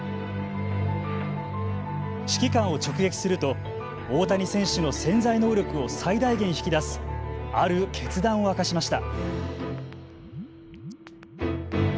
指揮官を直撃すると大谷選手の潜在能力を最大限引き出すある決断を明かしました。